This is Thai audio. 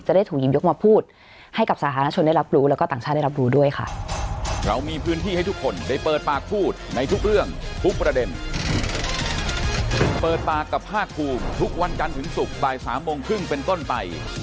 ได้ถูกหยิบยกมาพูดให้กับสาธารณชนได้รับรู้แล้วก็ต่างชาติได้รับรู้ด้วยค่ะ